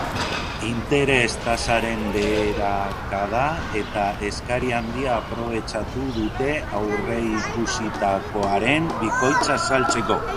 Interes-tasaren beherakada eta eskari handia aprobetxatu dute aurreikusitakoaren bikoitza saltzeko.